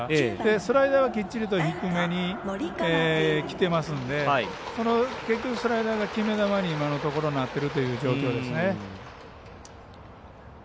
スライダーはきっちりと低めにきていますので結局スライダーが決め球に今のところなってるという状況ですね。